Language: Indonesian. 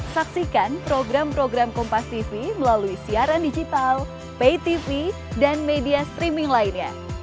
saksikan program program kompastv melalui siaran digital paytv dan media streaming lainnya